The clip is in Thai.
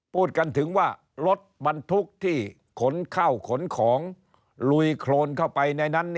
พูดกันถึงว่ารถบรรทุกที่ขนเข้าขนของลุยโครนเข้าไปในนั้น